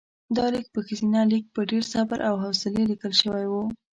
دا لیک په ښځینه لیک په ډېر صبر او حوصلې لیکل شوی و.